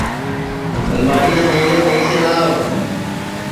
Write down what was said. الماڑِیاملے پیئیسے لاو